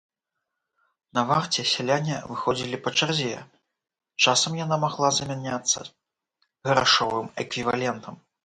На варце сяляне выходзілі па чарзе, часам яна магла замяняцца грашовым эквівалентам.